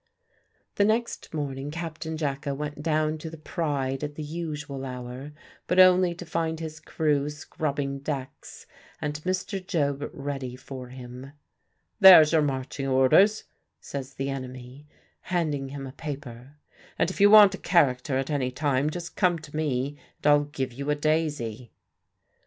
The next morning Captain Jacka went down to the Pride at the usual hour, but only to find his crew scrubbing decks and Mr. Job ready for him. "There's your marching orders," says the enemy, handing him a paper; "and if you want a character at any time, just come to me, and I'll give you a daisy."